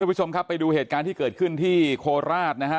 ผู้ชมครับไปดูเหตุการณ์ที่เกิดขึ้นที่โคราชนะฮะ